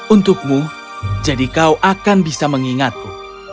untukmu jadi kau akan bisa mengingatmu